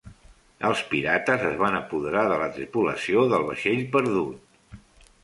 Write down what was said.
Els pirates es van apoderar de la tripulació del vaixell perdut.